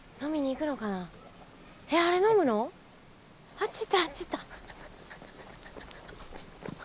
あっち行ったあっち行った。